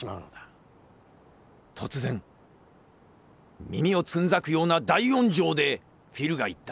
突然耳をつんざくような大音声でフィルが言った。